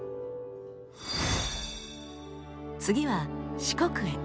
次は四国へ。